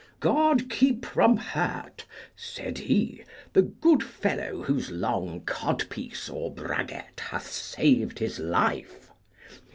God keep from hurt, said he, the good fellow whose long codpiece or braguet hath saved his life!